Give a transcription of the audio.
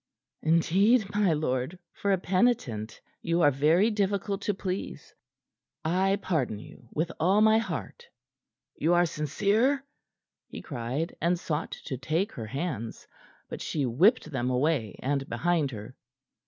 "Indeed, my lord, for a penitent, you are very difficult to please. I pardon you with all my heart." "You are sincere?" he cried, and sought to take her hands; but she whipped them away and behind her.